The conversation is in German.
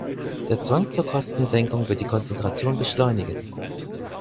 Der Zwang zur Kostensenkung wird die Konzentration beschleunigen.